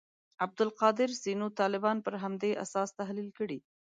عبدالقادر سینو طالبان پر همدې اساس تحلیل کړي.